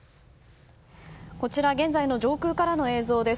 こちら、現在の上空からの映像です。